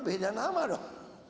beda nama dong